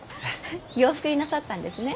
洋服になさったんですね。